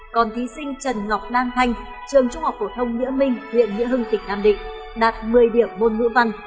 còn thí sinh trần ngọc lan thanh trường trung học phổ thông nghĩa minh huyện nghĩa hưng tỉnh nam định đạt một mươi điểm môn ngữ văn